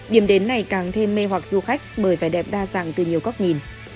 điểm đến này càng thêm mê hoặc du khách bởi vẻ đẹp đa dạng từ nhiều góc nhìn